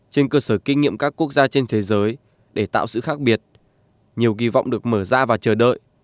trên cơ sở kinh nghiệm các quốc gia trên thế giới để tạo sự khác biệt nhiều kỳ vọng được mở ra và chờ đợi